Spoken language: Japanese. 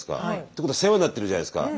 ってことは世話になってるじゃないですか。